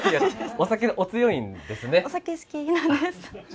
お酒好きなんです。